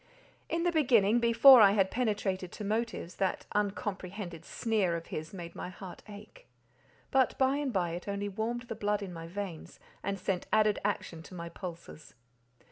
In the beginning, before I had penetrated to motives, that uncomprehended sneer of his made my heart ache, but by and by it only warmed the blood in my veins, and sent added action to my pulses.